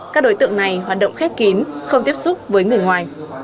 các đối tượng này hoạt động khép kín không tiếp xúc với người ngoài